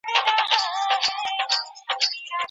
توشکونه نه ځړول کېږي.